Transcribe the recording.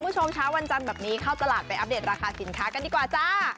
เช้าวันจันทร์แบบนี้เข้าตลาดไปอัปเดตราคาสินค้ากันดีกว่าจ้า